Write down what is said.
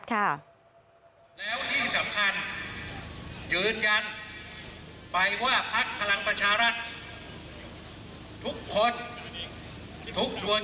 ทุกคนทุกตัวใจในภักดิ์จะยืนอยู่ข้างความถูกต้อง